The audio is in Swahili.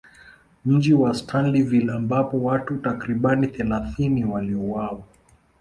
Mji Wa Stanleyville ambapo watu takribani thelathini waliuawa